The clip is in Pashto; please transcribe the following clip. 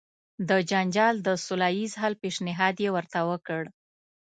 د جنجال د سوله ایز حل پېشنهاد یې ورته وکړ.